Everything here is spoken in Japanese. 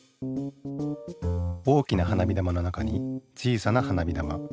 大きな花火玉の中に小さな花火玉。